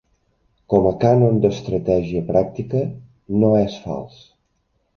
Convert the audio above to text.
Com a cànon d'estratègia pràctica, no és fals.